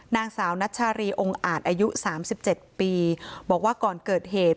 นางสาวนัชชารีองค์อาจอายุ๓๗ปีบอกว่าก่อนเกิดเหตุ